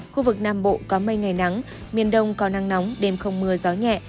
khu vực nam bộ có mây ngày nắng miền đông có nắng nóng đêm không mưa gió nhẹ